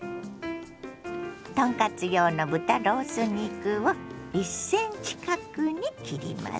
豚カツ用の豚ロース肉を１ｃｍ角に切ります。